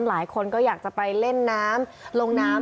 หลายคนก็อยากจะไปเล่นน้ำลงน้ำ